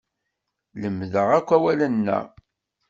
Lemdeɣ akk awalen-a.